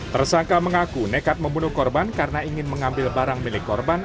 tersangka mengaku nekat membunuh korban karena ingin mengambil barang milik korban